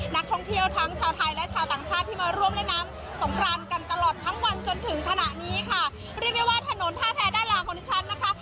นักท่องเที่ยวทั้งชาวไทยและชาวต่างชาติที่มาร่วมเล่นน้ำสงครานกันตลอดทั้งวันจนถึงขณะนี้ค่ะเรียกได้ว่าถนนท่าแพ้ด้านล่างของดิฉันนะคะ